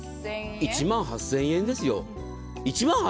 １万８０００円ですよ？